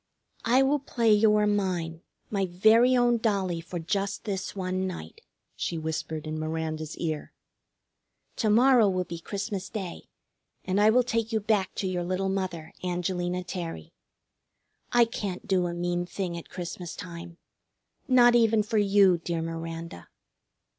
"I will play you are mine, my very own dollie, for just this one night," she whispered in Miranda's ear. "To morrow will be Christmas Day, and I will take you back to your little mother, Angelina Terry. I can't do a mean thing at Christmas time, not even for you, dear Miranda."